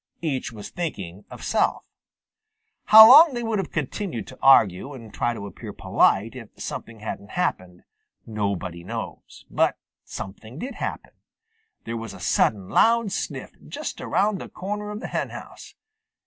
Each was thinking of self. How long they would have continued to argue and try to appear polite if something hadn't happened, nobody knows. But something did happen. There was a sudden loud sniff just around the corner of the henhouse.